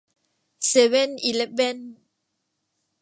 เซเว่นอีเลฟเว่น